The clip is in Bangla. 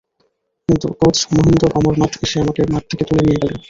কিন্তু কোচ মহিন্দর অমরনাথ এসে আমাকে মাঠ থেকে তুলে নিয়ে গেলেন।